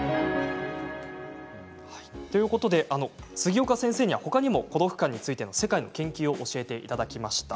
ということで杉岡先生には、ほかにも孤独感について世界の研究を教えていただきました。